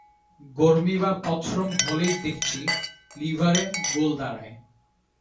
গরমি বা পথশ্রম হলেই দেখছি লিভারে গোল দাঁড়ায়।